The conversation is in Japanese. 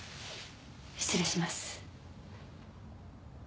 失礼します。